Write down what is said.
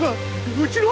うちの。